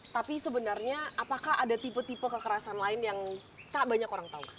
tapi sebenarnya apakah ada tipe tipe kekerasan lain yang tak banyak orang tahu